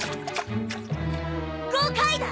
５回だ！